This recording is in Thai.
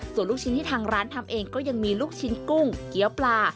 ส่วนลูกชิ้นที่ทางร้านทำเองก็ยังมีลูกชิ้นกุ้งเกี้ยวปลา